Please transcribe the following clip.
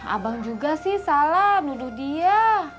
abang juga sih salah nuduh dia